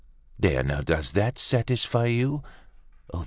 There now, does that satisfy you?